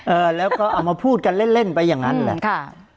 เออแล้วก็เอามาพูดกันเล่นเล่นไปอย่างนั้นแหละค่ะ